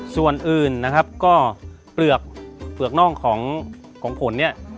ส่วนอื่นก็เปลือกนอกของของผล